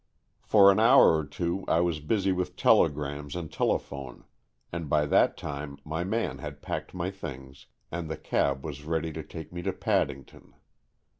For an hour or two I was busy with telegrams and telephone, and by that time my man had packed my things and the cab was ready to take me to Paddington.